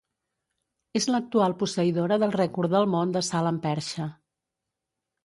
És l'actual posseïdora del rècord del món de salt amb perxa.